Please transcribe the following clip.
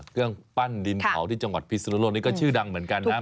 เครื่องปั้นดินเผาที่จังหวัดพิศนุโลกนี้ก็ชื่อดังเหมือนกันนะ